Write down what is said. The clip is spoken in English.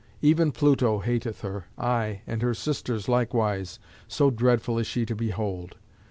Even Pluto hateth her, aye, and her sisters likewise, so dreadful is she to behold.